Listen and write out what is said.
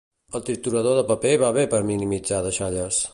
El triturador de paper va bé per minimitzar deixalles.